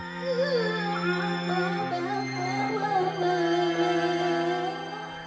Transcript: ketiga penyembuhan dengan pelayanan